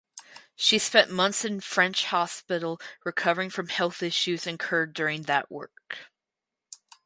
She spent months in French hospital recovering from health issues incurred during that work.